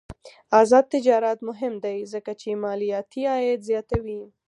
آزاد تجارت مهم دی ځکه چې مالیاتي عاید زیاتوي.